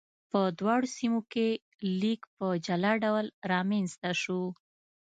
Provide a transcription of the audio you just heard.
په دواړو سیمو کې لیک په جلا ډول رامنځته شو.